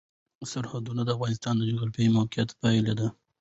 سرحدونه د افغانستان د جغرافیایي موقیعت پایله ده.